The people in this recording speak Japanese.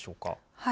はい。